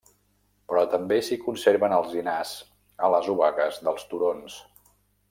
Però també s'hi conserven alzinars a les obagues dels turons.